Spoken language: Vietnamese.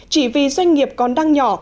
chỉ vì doanh nghiệp còn đang nhỏ